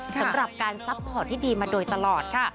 สำหรับการซัพพอร์ตที่ดีมาโดยตลอดค่ะ